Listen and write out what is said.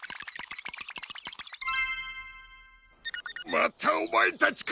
またおまえたちか！